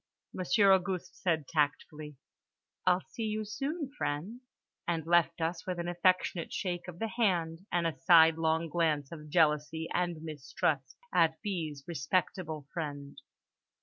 Monsieur Auguste said tactfully, "I'll see you soon, friends," and left us with an affectionate shake of the hand and a sidelong glance of jealousy and mistrust at B.'s respectable friend.